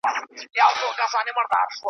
په کښتۍ کي وه سپاره یو شمېر وګړي .